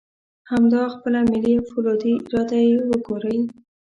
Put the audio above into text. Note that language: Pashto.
همدا خپله ملي او فولادي اراده یې وګورئ.